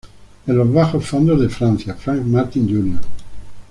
En los bajos fondos de Francia, Frank Martin Jr.